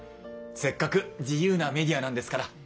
せっかく自由なメディアなんですから。